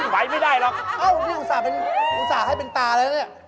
ไปไม่ได้หรอกอบนี้อุตส่าห์ให้เป็นตาแล้วนี่